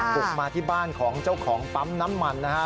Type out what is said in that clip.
บุกมาที่บ้านของเจ้าของปั๊มน้ำมันนะฮะ